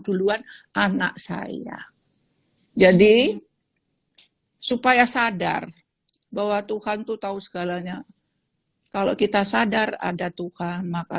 duluan anak saya jadi supaya sadar bahwa tuhan tuh tahu segalanya kalau kita sadar ada tuhan maka